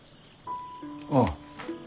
ああ。